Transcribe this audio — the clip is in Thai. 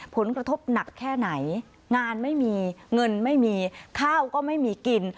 ผลกระทบหนักแค่ไหนงานไม่มีเงินไม่มีข้าวก็ไม่มีกิน